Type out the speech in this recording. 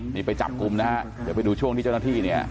นี่ไปจับกลุ่มนะฮะเดี๋ยวไปดูช่วงที่เจ้าหน้าที่เนี่ย